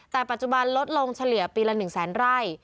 แต่ปัจจุบันลดลงเฉลี่ยปีละ๑แสนไร่